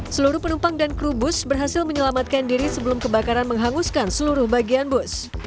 seluruh penumpang dan kru bus berhasil menyelamatkan diri sebelum kebakaran menghanguskan seluruh bagian bus